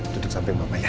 duduk sampai mama ya